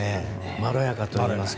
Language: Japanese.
まろやかといいますか。